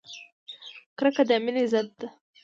کرکه د مینې ضد ده!